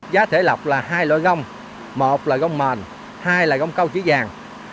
giá thể lập là hai loại gông một là gông màn hai là gông cao chứa vàng